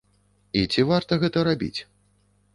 І ці варта гэта рабіць?